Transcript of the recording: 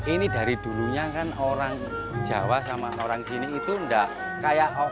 ini dari dulunya kan orang jawa sama orang sini itu enggak kayak orang